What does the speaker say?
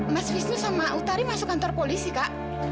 mas wisnu sama utari masuk kantor polisi kak